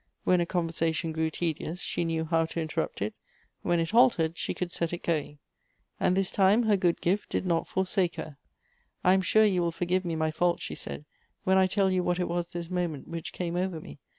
When a conversation grew tedious, she knew how to inteiTupt it ; when it halted she could set it going. And this time her good gift did not forsake her. " I am sure you will forgive me my fault," she said, " when I tell you what it was this moment which came over me.